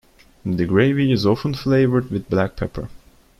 The gravy is often flavored with black pepper.